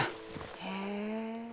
へえ。